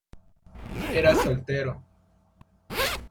Era soltero.